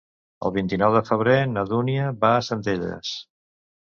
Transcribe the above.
El vint-i-nou de febrer na Dúnia va a Centelles.